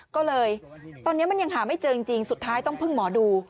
ก็เลยตอนนี้มันยังหาไม่เจอจริงสุดท้ายต้องพึ่งหมอดู